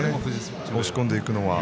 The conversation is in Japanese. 押し込んでいくのが。